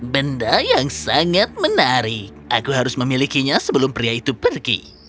benda yang sangat menarik aku harus memilikinya sebelum pria itu pergi